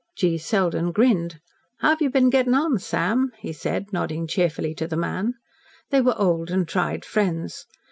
G. Selden grinned. "How have you been getting on, Sam?" he said, nodding cheerfully to the man. They were old and tried friends.